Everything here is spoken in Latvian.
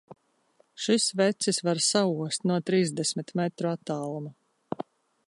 Šis vecis var saost no trīsdesmit metru attāluma!